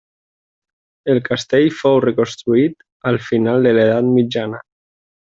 El castell fou reconstruït al final de l'edat mitjana.